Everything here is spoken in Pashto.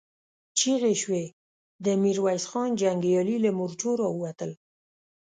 چيغې شوې، د ميرويس خان جنګيالي له مورچو را ووتل.